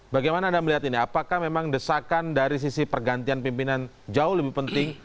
bagaimana anda melihat ini apakah memang desakan dari sisi pergantian pimpinan jauh lebih penting